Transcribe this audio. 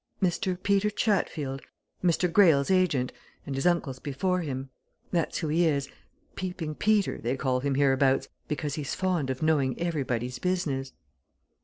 Mr. Peter Chatfield, Mr. Greyle's agent, and his uncle's before him that's who he is Peeping Peter, they call him hereabouts, because he's fond of knowing everybody's business."